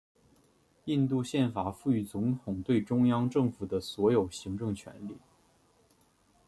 印度宪法赋予总统对中央政府的所有行政权力。